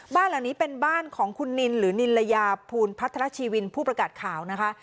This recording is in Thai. บ้านหลังนี้เป็นบ้านของคุณนินหรือนินลยาภูลพัทรชีวินผู้ประกาศข่าวนะคะ